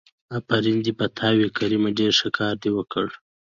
آفرين دې په تا وي کريمه ډېر ښه کار دې وکړ.